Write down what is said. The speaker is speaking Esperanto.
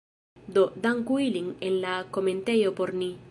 Do, danku ilin en la komentejo por ni